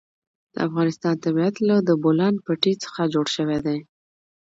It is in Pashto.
د افغانستان طبیعت له د بولان پټي څخه جوړ شوی دی.